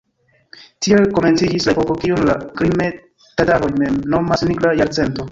Tiel komenciĝis la epoko, kiun la krime-tataroj mem nomas "Nigra jarcento".